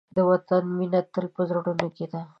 د وطن مینه تل په زړونو کې ده.